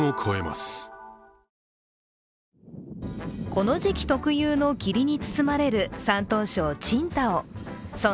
この時期、特有の霧に包まれる山東省青島。